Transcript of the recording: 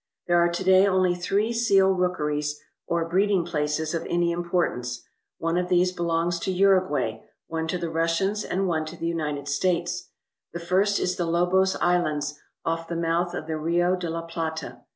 There are to day only three seal rookeries, or breeding places, of any importance. One of these belongs to Uruguay, one to the Russians, and one to the United States. The first is the Lobos I slands, off the mouth of the Rio de la Plata.